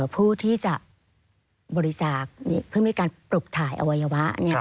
ผู้ที่จะบริจาคเพื่อมีการปลุกถ่ายอวัยวะ